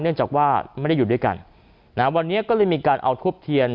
เนื่องจากว่าไม่ได้อยู่ด้วยกันนะฮะวันนี้ก็เลยมีการเอาทูบเทียน